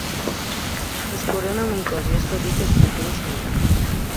Es corona amb un cos més petit d'estructura similar.